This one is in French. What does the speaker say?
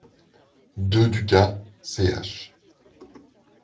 deux Ducas, ch.